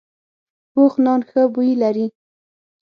پوخ نان ښه بوی لري